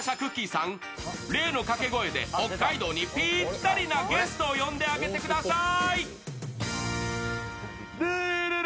さん例のかけ声で北海道にぴったりなゲストを呼んであげてください。